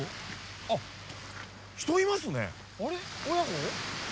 あっ人いますね。